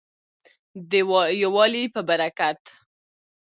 د یووالي په برکت.